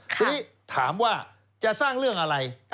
ทีนี้ถามว่าจะสร้างเรื่องอะไร